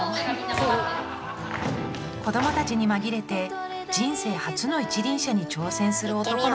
子どもたちに紛れて人生初の一輪車に挑戦する男の子がいます。